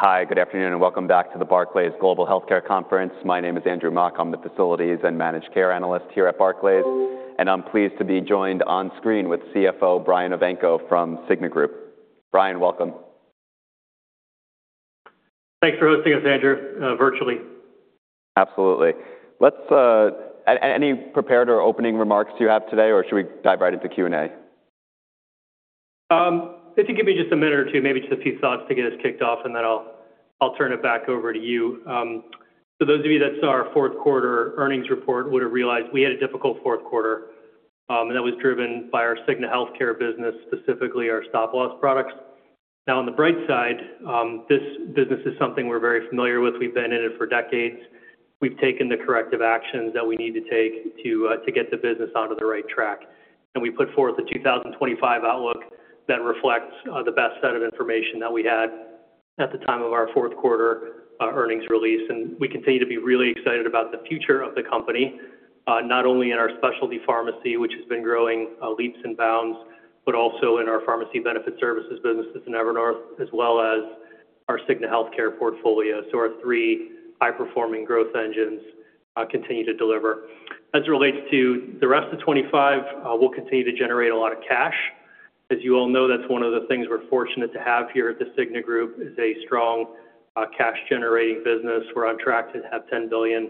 Hi, good afternoon, and welcome back to the Barclays Global Healthcare Conference. My name is Andrew Mok. I'm the Facilities and Managed Care Analyst here at Barclays, and I'm pleased to be joined on screen with CFO Brian Evanko from Cigna Group. Brian, welcome. Thanks for hosting us, Andrew, virtually. Absolutely. Any prepared or opening remarks you have today, or should we dive right into Q&A? If you give me just a minute or two, maybe just a few thoughts to get us kicked off, and then I'll turn it back over to you. For those of you that saw our fourth quarter earnings report, you would have realized we had a difficult fourth quarter, and that was driven by our Cigna Healthcare business, specifically our stop-loss products. Now, on the bright side, this business is something we're very familiar with. We've been in it for decades. We've taken the corrective actions that we need to take to get the business onto the right track. We put forth a 2025 outlook that reflects the best set of information that we had at the time of our fourth quarter earnings release. We continue to be really excited about the future of the company, not only in our specialty pharmacy, which has been growing leaps and bounds, but also in our pharmacy benefit services businesses in Evernorth, as well as our Cigna healthcare portfolio. Our three high-performing growth engines continue to deliver. As it relates to the rest of 2025, we'll continue to generate a lot of cash. As you all know, that's one of the things we're fortunate to have here at The Cigna Group is a strong cash-generating business. We're on track to have $10 billion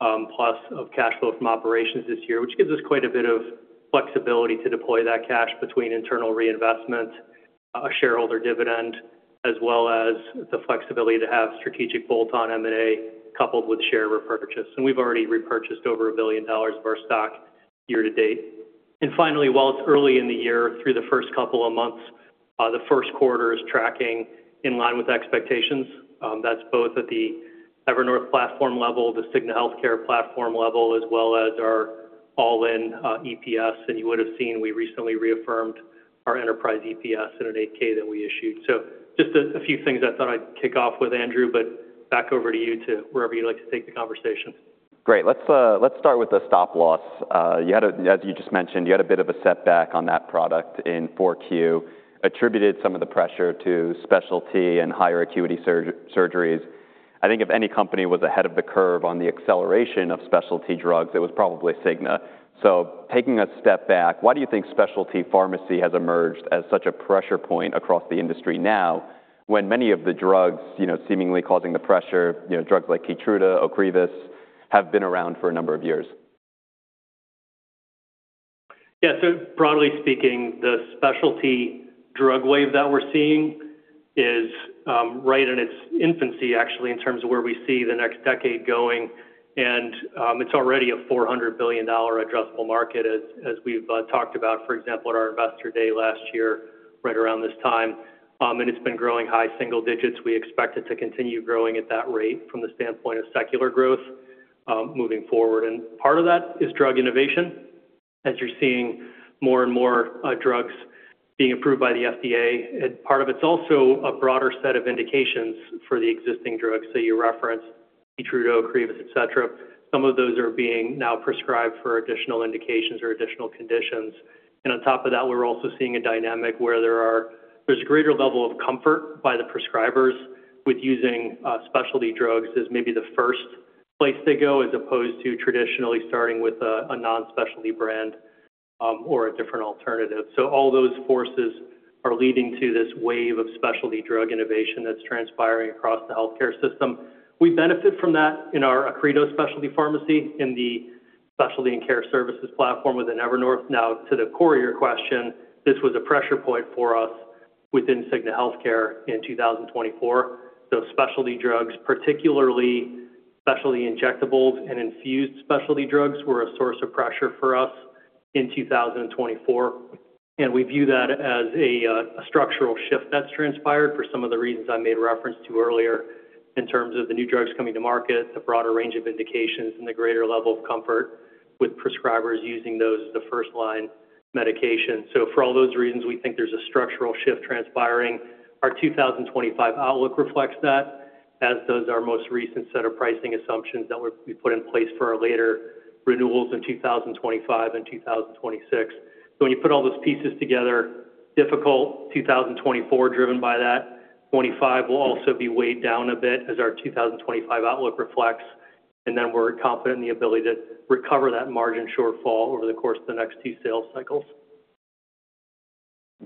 plus of cash flow from operations this year, which gives us quite a bit of flexibility to deploy that cash between internal reinvestment, a shareholder dividend, as well as the flexibility to have strategic bolt-on M&A coupled with share repurchase. We have already repurchased over $1 billion of our stock year to date. Finally, while it is early in the year, through the first couple of months, the first quarter is tracking in line with expectations. That is both at the Evernorth platform level, the Cigna Healthcare platform level, as well as our all-in EPS. You would have seen we recently reaffirmed our enterprise EPS in an 8-K that we issued. Just a few things I thought I would kick off with, Andrew, but back over to you to wherever you would like to take the conversation. Great. Let's start with the stop-loss. As you just mentioned, you had a bit of a setback on that product in 4Q, attributed some of the pressure to specialty and higher acuity surgeries. I think if any company was ahead of the curve on the acceleration of specialty drugs, it was probably Cigna. Taking a step back, why do you think specialty pharmacy has emerged as such a pressure point across the industry now when many of the drugs seemingly causing the pressure, drugs like Keytruda, Ocrevus, have been around for a number of years? Yeah, so broadly speaking, the specialty drug wave that we're seeing is right in its infancy, actually, in terms of where we see the next decade going. It is already a $400 billion addressable market, as we've talked about, for example, at our investor day last year, right around this time. It has been growing high single digits. We expect it to continue growing at that rate from the standpoint of secular growth moving forward. Part of that is drug innovation, as you're seeing more and more drugs being approved by the FDA. Part of it is also a broader set of indications for the existing drugs. You referenced Keytruda, Ocrevus, et cetera. Some of those are being now prescribed for additional indications or additional conditions. On top of that, we're also seeing a dynamic where there's a greater level of comfort by the prescribers with using specialty drugs as maybe the first place they go, as opposed to traditionally starting with a non-specialty brand or a different alternative. All those forces are leading to this wave of specialty drug innovation that's transpiring across the healthcare system. We benefit from that in our Accredo specialty pharmacy in the specialty and care services platform within Evernorth. Now, to the corrier question, this was a pressure point for us within Cigna Healthcare in 2024. Specialty drugs, particularly specialty injectables and infused specialty drugs, were a source of pressure for us in 2024. We view that as a structural shift that's transpired for some of the reasons I made reference to earlier in terms of the new drugs coming to market, the broader range of indications, and the greater level of comfort with prescribers using those as the first-line medication. For all those reasons, we think there's a structural shift transpiring. Our 2025 outlook reflects that, as does our most recent set of pricing assumptions that we put in place for our later renewals in 2025 and 2026. When you put all those pieces together, difficult 2024 driven by that, 2025 will also be weighed down a bit, as our 2025 outlook reflects. We are confident in the ability to recover that margin shortfall over the course of the next two sales cycles.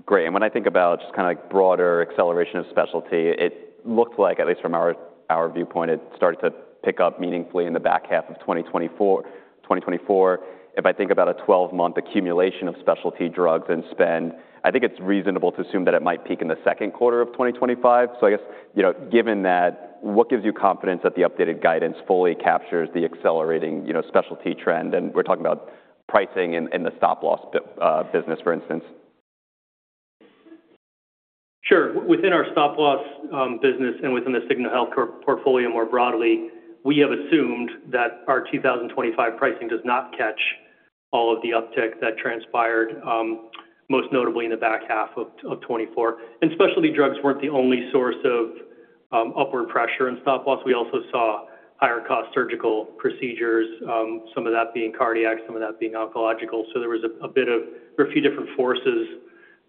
Great. When I think about just kind of broader acceleration of specialty, it looked like, at least from our viewpoint, it started to pick up meaningfully in the back half of 2024. If I think about a 12-month accumulation of specialty drugs and spend, I think it's reasonable to assume that it might peak in the second quarter of 2025. I guess, given that, what gives you confidence that the updated guidance fully captures the accelerating specialty trend? We're talking about pricing and the stop-loss business, for instance. Sure. Within our stop-loss business and within the Cigna Healthcare portfolio more broadly, we have assumed that our 2025 pricing does not catch all of the uptick that transpired, most notably in the back half of 2024. Specialty drugs were not the only source of upward pressure in stop-loss. We also saw higher-cost surgical procedures, some of that being cardiac, some of that being oncological. There were a few different forces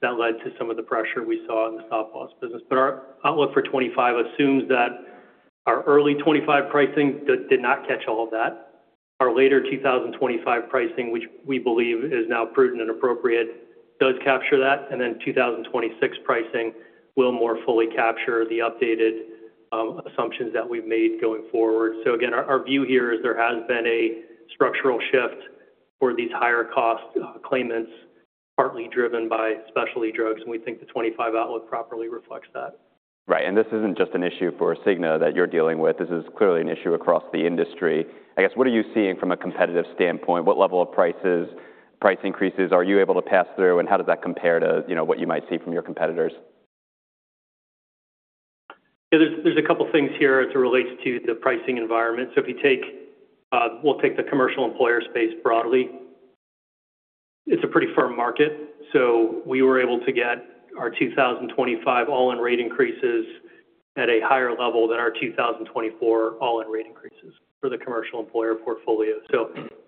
that led to some of the pressure we saw in the stop-loss business. Our outlook for 2025 assumes that our early 2025 pricing did not catch all of that. Our later 2025 pricing, which we believe is now prudent and appropriate, does capture that. 2026 pricing will more fully capture the updated assumptions that we have made going forward. Again, our view here is there has been a structural shift for these higher-cost claimants, partly driven by specialty drugs. We think the 2025 outlook properly reflects that. Right. This isn't just an issue for Cigna that you're dealing with. This is clearly an issue across the industry. I guess, what are you seeing from a competitive standpoint? What level of prices, price increases are you able to pass through, and how does that compare to what you might see from your competitors? Yeah, there's a couple of things here as it relates to the pricing environment. If you take, we'll take the commercial employer space broadly. It's a pretty firm market. We were able to get our 2025 all-in rate increases at a higher level than our 2024 all-in rate increases for the commercial employer portfolio.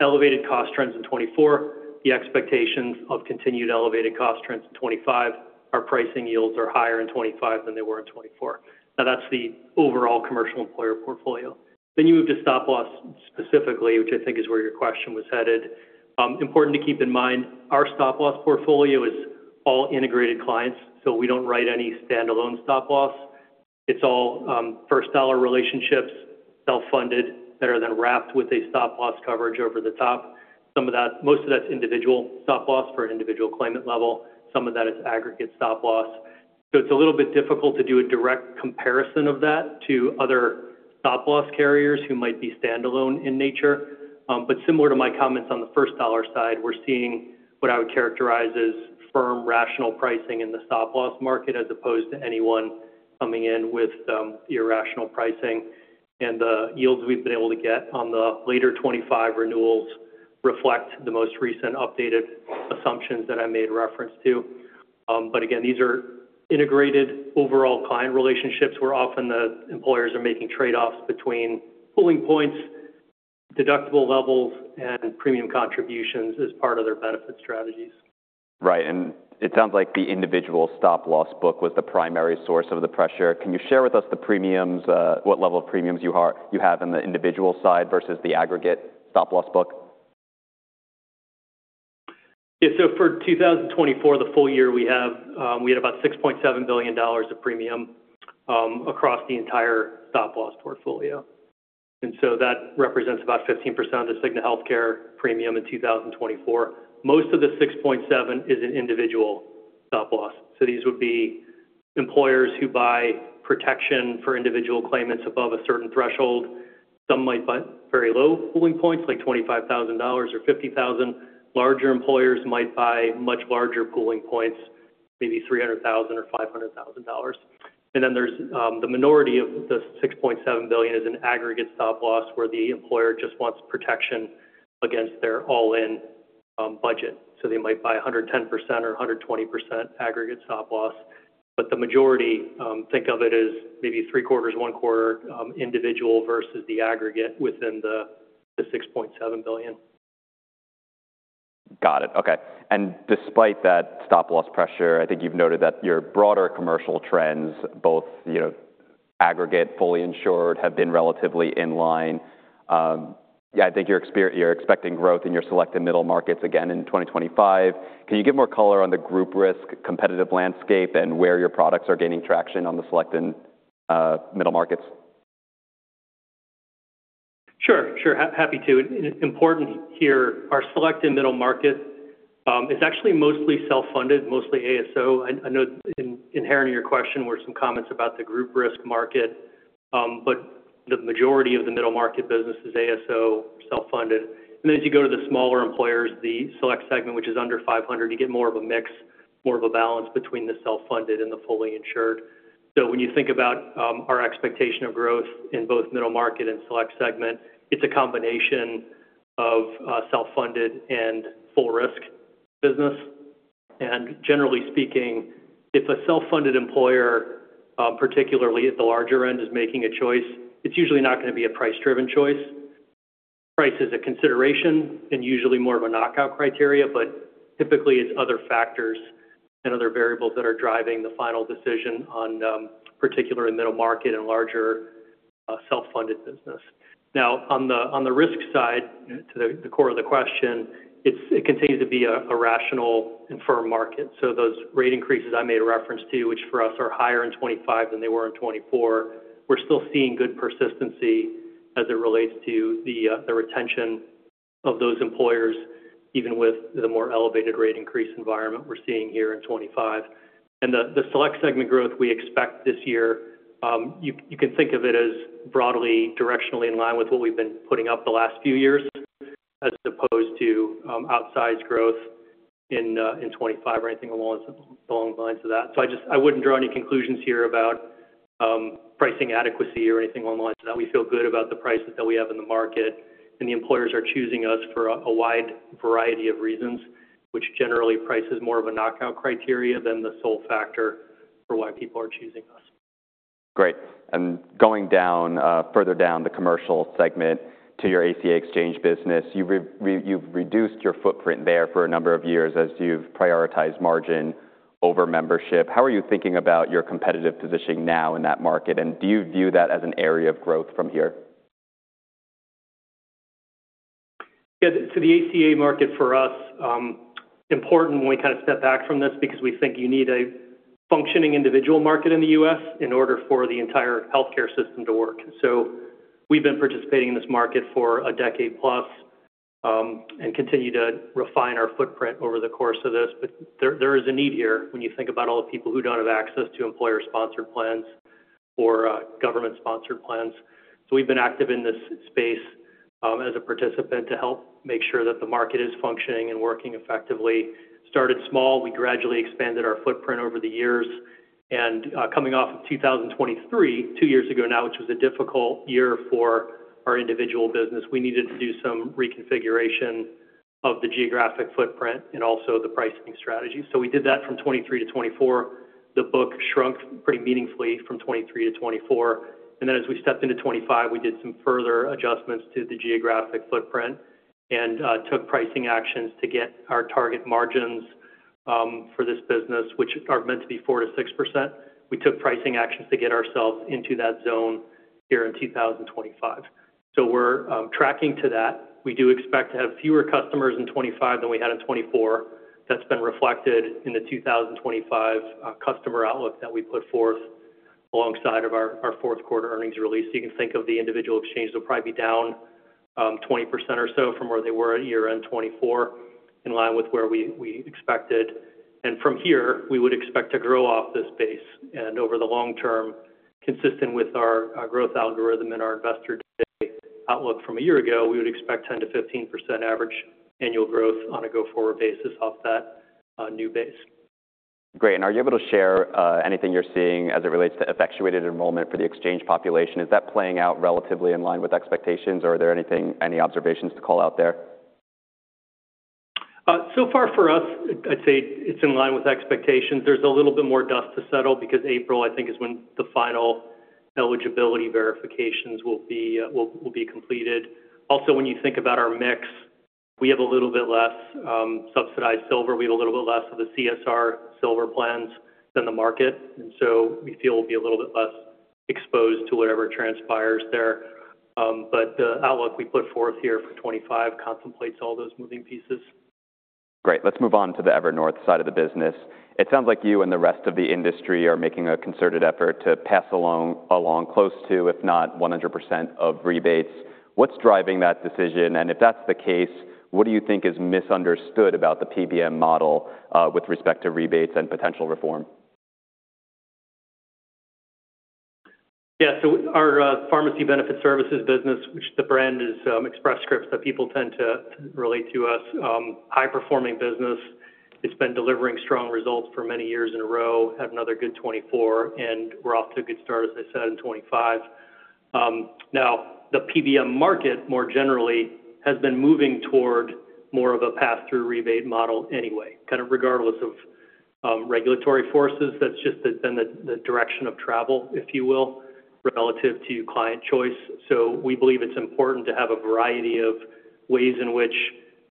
Elevated cost trends in 2024, the expectations of continued elevated cost trends in 2025, our pricing yields are higher in 2025 than they were in 2024. Now, that's the overall commercial employer portfolio. You move to stop-loss specifically, which I think is where your question was headed. Important to keep in mind, our stop-loss portfolio is all integrated clients. We do not write any standalone stop-loss. It's all first-dollar relationships, self-funded, better than wrapped with a stop-loss coverage over the top. Most of that's individual stop-loss for an individual claimant level. Some of that is aggregate stop-loss. It is a little bit difficult to do a direct comparison of that to other stop-loss carriers who might be standalone in nature. Similar to my comments on the first-dollar side, we're seeing what I would characterize as firm, rational pricing in the stop-loss market, as opposed to anyone coming in with irrational pricing. The yields we've been able to get on the later 2025 renewals reflect the most recent updated assumptions that I made reference to. Again, these are integrated overall client relationships where often the employers are making trade-offs between pulling points, deductible levels, and premium contributions as part of their benefit strategies. Right. It sounds like the individual stop-loss book was the primary source of the pressure. Can you share with us the premiums, what level of premiums you have on the individual side versus the aggregate stop-loss book? Yeah. For 2024, the full year, we have about $6.7 billion of premium across the entire stop-loss portfolio. That represents about 15% of the Cigna Healthcare premium in 2024. Most of the $6.7 billion is in individual stop-loss. These would be employers who buy protection for individual claimants above a certain threshold. Some might buy very low pulling points, like $25,000 or $50,000. Larger employers might buy much larger pulling points, maybe $300,000 or $500,000. The minority of the $6.7 billion is in aggregate stop-loss, where the employer just wants protection against their all-in budget. They might buy 110% or 120% aggregate stop-loss. The majority, think of it as maybe three-quarters, one-quarter individual versus aggregate within the $6.7 billion. Got it. Okay. Despite that stop-loss pressure, I think you've noted that your broader commercial trends, both aggregate, fully insured, have been relatively in line. I think you're expecting growth in your selected middle markets again in 2025. Can you give more color on the group risk competitive landscape and where your products are gaining traction on the selected middle markets? Sure. Sure. Happy to. Important here, our selected middle market is actually mostly self-funded, mostly ASO. I know inherent in your question were some comments about the group risk market, but the majority of the middle market business is ASO, self-funded. As you go to the smaller employers, the select segment, which is under 500, you get more of a mix, more of a balance between the self-funded and the fully insured. When you think about our expectation of growth in both middle market and select segment, it's a combination of self-funded and full-risk business. Generally speaking, if a self-funded employer, particularly at the larger end, is making a choice, it's usually not going to be a price-driven choice. Price is a consideration and usually more of a knockout criteria, but typically it's other factors and other variables that are driving the final decision on particularly middle market and larger self-funded business. Now, on the risk side, to the core of the question, it continues to be a rational and firm market. Those rate increases I made reference to, which for us are higher in 2025 than they were in 2024, we're still seeing good persistency as it relates to the retention of those employers, even with the more elevated rate increase environment we're seeing here in 2025. The select segment growth we expect this year, you can think of it as broadly directionally in line with what we've been putting up the last few years, as opposed to outsized growth in 2025 or anything along the lines of that. I wouldn't draw any conclusions here about pricing adequacy or anything along the lines of that. We feel good about the prices that we have in the market. The employers are choosing us for a wide variety of reasons, which generally price is more of a knockout criteria than the sole factor for why people are choosing us. Great. Going further down the commercial segment to your ACA exchange business, you've reduced your footprint there for a number of years as you've prioritized margin over membership. How are you thinking about your competitive positioning now in that market? Do you view that as an area of growth from here? Yeah. The ACA market for us, important when we kind of step back from this because we think you need a functioning individual market in the U.S. in order for the entire healthcare system to work. We have been participating in this market for a decade plus and continue to refine our footprint over the course of this. There is a need here when you think about all the people who do not have access to employer-sponsored plans or government-sponsored plans. We have been active in this space as a participant to help make sure that the market is functioning and working effectively. Started small, we gradually expanded our footprint over the years. Coming off of 2023, two years ago now, which was a difficult year for our individual business, we needed to do some reconfiguration of the geographic footprint and also the pricing strategy. We did that from 2023 to 2024. The book shrunk pretty meaningfully from 2023 to 2024. As we stepped into 2025, we did some further adjustments to the geographic footprint and took pricing actions to get our target margins for this business, which are meant to be 4-6%. We took pricing actions to get ourselves into that zone here in 2025. We are tracking to that. We do expect to have fewer customers in 2025 than we had in 2024. That has been reflected in the 2025 customer outlook that we put forth alongside our fourth-quarter earnings release. You can think of the individual exchange, they will probably be down 20% or so from where they were at year-end 2024, in line with where we expected. From here, we would expect to grow off this base. Over the long term, consistent with our growth algorithm and our investor outlook from a year ago, we would expect 10-15% average annual growth on a go-forward basis off that new base. Great. Are you able to share anything you're seeing as it relates to effectuated enrollment for the exchange population? Is that playing out relatively in line with expectations, or are there any observations to call out there? For us, I'd say it's in line with expectations. There's a little bit more dust to settle because April, I think, is when the final eligibility verifications will be completed. Also, when you think about our mix, we have a little bit less subsidized silver. We have a little bit less of the CSR silver plans than the market. We feel we'll be a little bit less exposed to whatever transpires there. The outlook we put forth here for 2025 contemplates all those moving pieces. Great. Let's move on to the Evernorth side of the business. It sounds like you and the rest of the industry are making a concerted effort to pass along close to, if not 100%, of rebates. What's driving that decision? If that's the case, what do you think is misunderstood about the PBM model with respect to rebates and potential reform? Yeah. Our pharmacy benefit services business, which the brand is Express Scripts that people tend to relate to us, high-performing business. It's been delivering strong results for many years in a row, had another good 2024, and we're off to a good start, as I said, in 2025. Now, the PBM market more generally has been moving toward more of a pass-through rebate model anyway, kind of regardless of regulatory forces. That's just been the direction of travel, if you will, relative to client choice. We believe it's important to have a variety of ways in which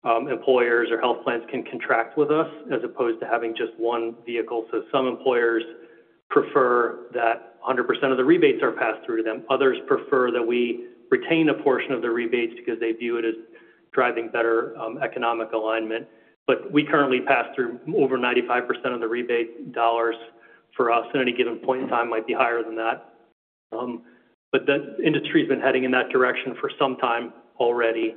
employers or health plans can contract with us as opposed to having just one vehicle. Some employers prefer that 100% of the rebates are passed through to them. Others prefer that we retain a portion of the rebates because they view it as driving better economic alignment. We currently pass through over 95% of the rebate dollars for us. At any given point in time, it might be higher than that. The industry has been heading in that direction for some time already.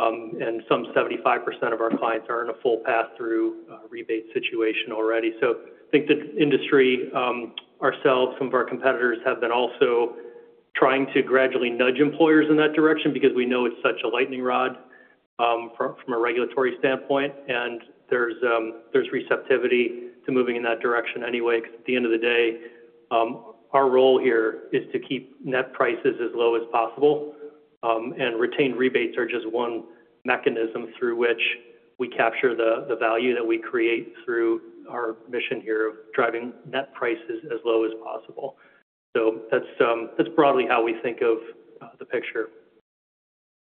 Some 75% of our clients are in a full pass-through rebate situation already. I think the industry, ourselves, some of our competitors have been also trying to gradually nudge employers in that direction because we know it is such a lightning rod from a regulatory standpoint. There is receptivity to moving in that direction anyway. At the end of the day, our role here is to keep net prices as low as possible. Retained rebates are just one mechanism through which we capture the value that we create through our mission here of driving net prices as low as possible. That is broadly how we think of the picture.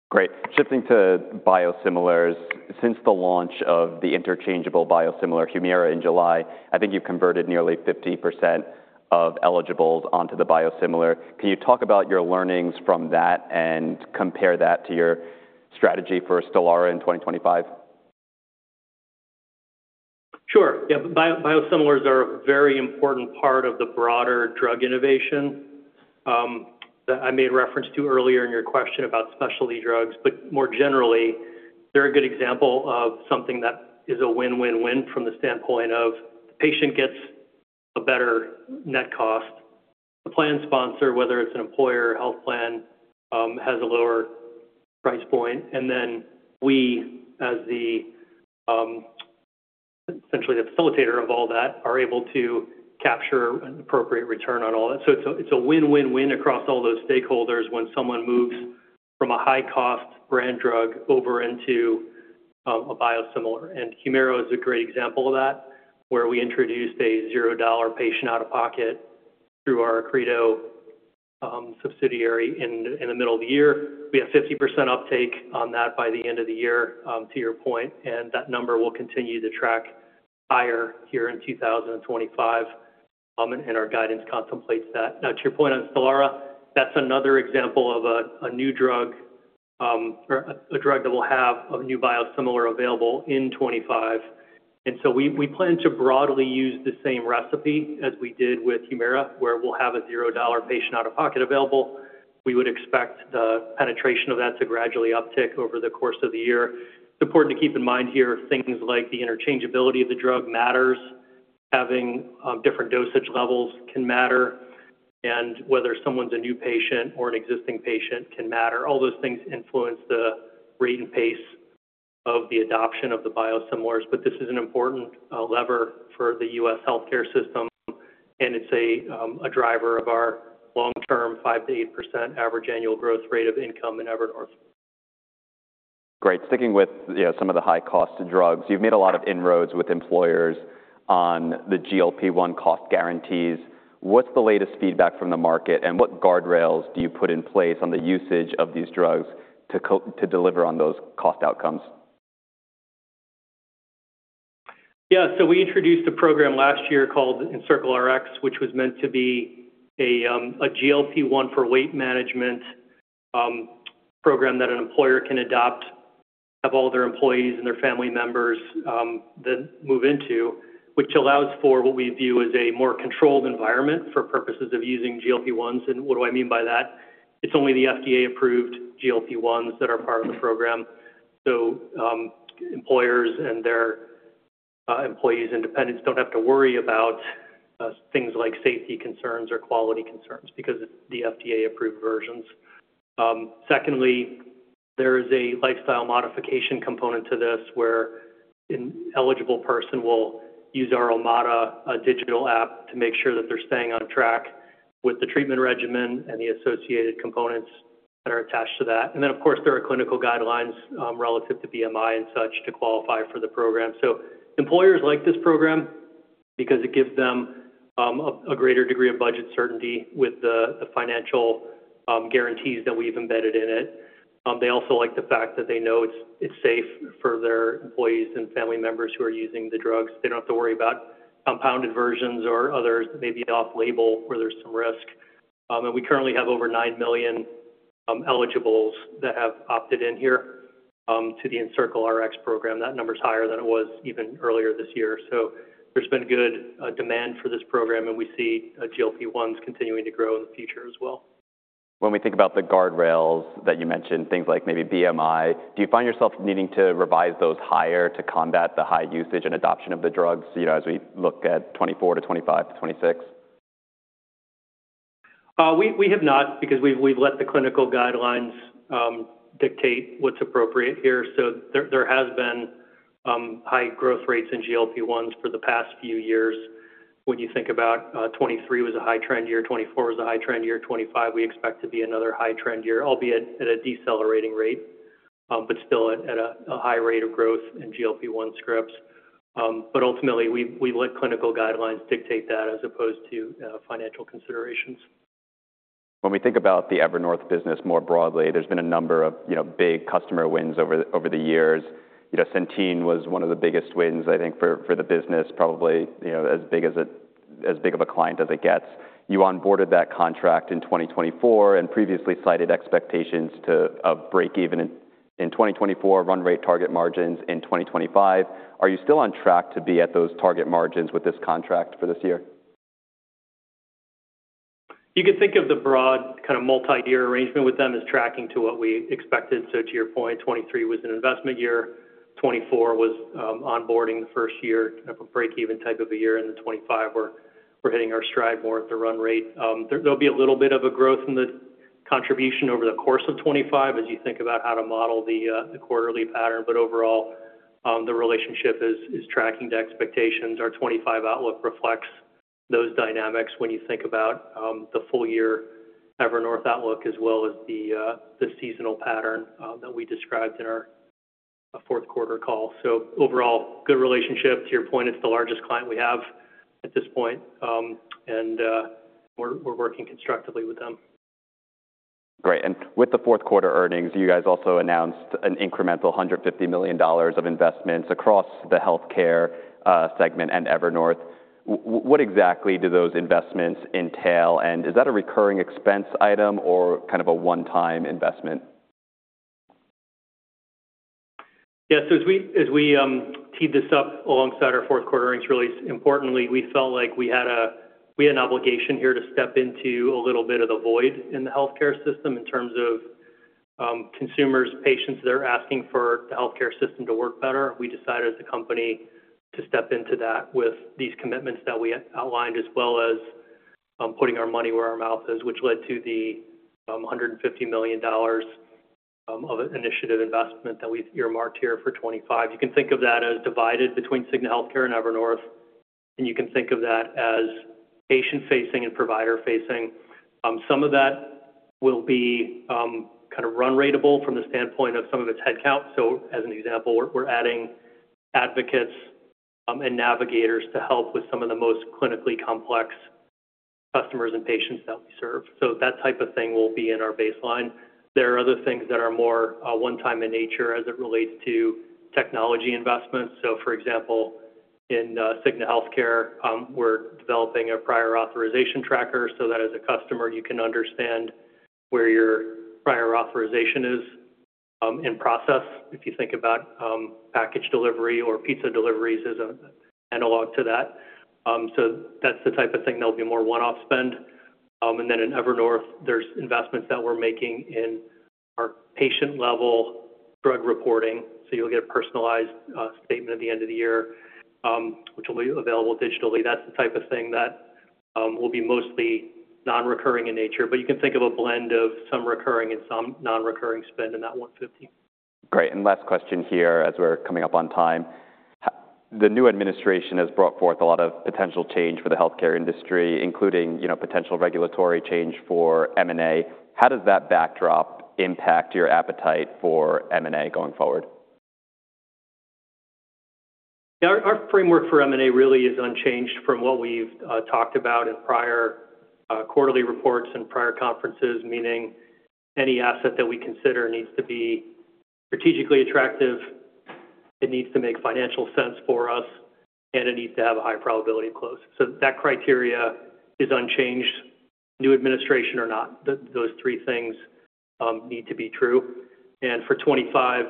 Great. Shifting to biosimilars. Since the launch of the interchangeable biosimilar Humira in July, I think you've converted nearly 50% of eligibles onto the biosimilar. Can you talk about your learnings from that and compare that to your strategy for Stelara in 2025? Sure. Yeah. Biosimilars are a very important part of the broader drug innovation that I made reference to earlier in your question about specialty drugs. More generally, they're a good example of something that is a win-win-win from the standpoint of the patient gets a better net cost. The plan sponsor, whether it's an employer or health plan, has a lower price point. We, as essentially the facilitator of all that, are able to capture an appropriate return on all that. It is a win-win-win across all those stakeholders when someone moves from a high-cost brand drug over into a biosimilar. Humira is a great example of that, where we introduced a $0 patient out of pocket through our Accredo subsidiary in the middle of the year. We have 50% uptake on that by the end of the year, to your point. That number will continue to track higher here in 2025. Our guidance contemplates that. Now, to your point on Stelara, that's another example of a new drug, a drug that will have a new biosimilar available in 2025. We plan to broadly use the same recipe as we did with Humira, where we'll have a $0 patient out of pocket available. We would expect the penetration of that to gradually uptick over the course of the year. It's important to keep in mind here, things like the interchangeability of the drug matters. Having different dosage levels can matter. Whether someone's a new patient or an existing patient can matter. All those things influence the rate and pace of the adoption of the biosimilars. This is an important lever for the US healthcare system. It is a driver of our long-term 5-8% average annual growth rate of income in Evernorth. Great. Sticking with some of the high-cost drugs, you've made a lot of inroads with employers on the GLP-1 cost guarantees. What's the latest feedback from the market? What guardrails do you put in place on the usage of these drugs to deliver on those cost outcomes? Yeah. We introduced a program last year called EncircleRx, which was meant to be a GLP-1 for weight management program that an employer can adopt, have all their employees and their family members move into, which allows for what we view as a more controlled environment for purposes of using GLP-1s. What do I mean by that? It's only the FDA-approved GLP-1s that are part of the program. Employers and their employees and dependents do not have to worry about things like safety concerns or quality concerns because it's the FDA-approved versions. Secondly, there is a lifestyle modification component to this where an eligible person will use our Omada digital app to make sure that they're staying on track with the treatment regimen and the associated components that are attached to that. There are clinical guidelines relative to BMI and such to qualify for the program. Employers like this program because it gives them a greater degree of budget certainty with the financial guarantees that we've embedded in it. They also like the fact that they know it's safe for their employees and family members who are using the drugs. They do not have to worry about compounded versions or others that may be off-label where there is some risk. We currently have over 9 million eligibles that have opted in here to the Encircle Rx program. That number is higher than it was even earlier this year. There has been good demand for this program. We see GLP-1s continuing to grow in the future as well. When we think about the guardrails that you mentioned, things like maybe BMI, do you find yourself needing to revise those higher to combat the high usage and adoption of the drugs as we look at 2024 to 2025 to 2026? We have not because we've let the clinical guidelines dictate what's appropriate here. There has been high growth rates in GLP-1s for the past few years. When you think about 2023 was a high-trend year, 2024 was a high-trend year, 2025 we expect to be another high-trend year, albeit at a decelerating rate, but still at a high rate of growth in GLP-1 scripts. Ultimately, we let clinical guidelines dictate that as opposed to financial considerations. When we think about the Evernorth business more broadly, there's been a number of big customer wins over the years. Centene was one of the biggest wins, I think, for the business, probably as big of a client as it gets. You onboarded that contract in 2024 and previously cited expectations of break-even in 2024, run rate target margins in 2025. Are you still on track to be at those target margins with this contract for this year? You could think of the broad kind of multi-year arrangement with them as tracking to what we expected. To your point, 2023 was an investment year. 2024 was onboarding the first year, kind of a break-even type of a year. Then 2025, we're hitting our stride more at the run rate. There'll be a little bit of a growth in the contribution over the course of 2025 as you think about how to model the quarterly pattern. Overall, the relationship is tracking to expectations. Our 2025 outlook reflects those dynamics when you think about the full-year Evernorth outlook as well as the seasonal pattern that we described in our fourth-quarter call. Overall, good relationship. To your point, it's the largest client we have at this point. We're working constructively with them. Great. With the fourth-quarter earnings, you guys also announced an incremental $150 million of investments across the healthcare segment and Evernorth. What exactly do those investments entail? Is that a recurring expense item or kind of a one-time investment? Yeah. As we teed this up alongside our fourth-quarter earnings, really importantly, we felt like we had an obligation here to step into a little bit of the void in the healthcare system in terms of consumers, patients that are asking for the healthcare system to work better. We decided as a company to step into that with these commitments that we outlined as well as putting our money where our mouth is, which led to the $150 million of an initiative investment that we earmarked here for 2025. You can think of that as divided between Cigna Healthcare and Evernorth. You can think of that as patient-facing and provider-facing. Some of that will be kind of run ratable from the standpoint of some of its headcount. As an example, we're adding advocates and navigators to help with some of the most clinically complex customers and patients that we serve. That type of thing will be in our baseline. There are other things that are more one-time in nature as it relates to technology investments. For example, in Cigna Healthcare, we're developing a prior authorization tracker so that as a customer, you can understand where your prior authorization is in process. If you think about package delivery or pizza deliveries as an analog to that, that's the type of thing that'll be more one-off spend. In Evernorth, there are investments that we're making in our patient-level drug reporting. You'll get a personalized statement at the end of the year, which will be available digitally. That's the type of thing that will be mostly non-recurring in nature. You can think of a blend of some recurring and some non-recurring spend in that $150. Great. Last question here as we're coming up on time. The new administration has brought forth a lot of potential change for the healthcare industry, including potential regulatory change for M&A. How does that backdrop impact your appetite for M&A going forward? Our framework for M&A really is unchanged from what we've talked about in prior quarterly reports and prior conferences, meaning any asset that we consider needs to be strategically attractive. It needs to make financial sense for us. It needs to have a high probability of close. That criteria is unchanged. New administration or not, those three things need to be true. For 2025,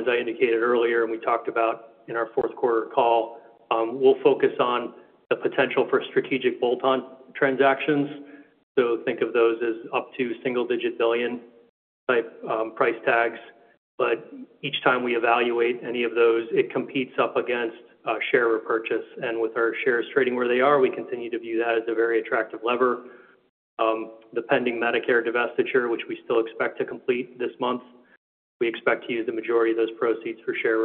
as I indicated earlier, and we talked about in our fourth-quarter call, we'll focus on the potential for strategic bolt-on transactions. Think of those as up to single-digit billion type price tags. Each time we evaluate any of those, it competes up against share repurchase. With our shares trading where they are, we continue to view that as a very attractive lever. The pending Medicare divestiture, which we still expect to complete this month, we expect to use the majority of those proceeds for share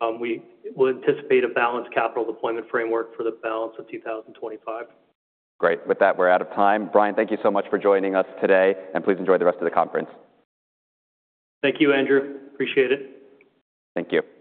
repurchase. We anticipate a balanced capital deployment framework for the balance of 2025. Great. With that, we're out of time. Brian, thank you so much for joining us today. Please enjoy the rest of the conference. Thank you, Andrew. Appreciate it. Thank you.